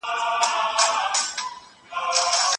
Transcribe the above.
زنګ اوچتېږي.